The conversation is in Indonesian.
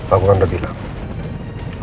aku kan udah bilang